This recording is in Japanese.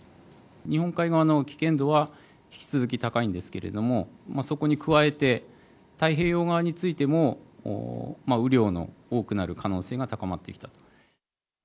日本海側の危険度は引き続き高いんですけれども、そこに加えて、太平洋側についても、雨量の多くなる可能性が高まってきたと。